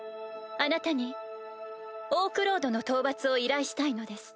あなたにオークロードの討伐を依頼したいのです。